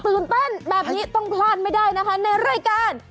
ตื่นเต้นแบบนี้ต้องพลาดไม่ได้นะคะในรายการ